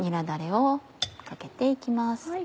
だれをかけて行きます。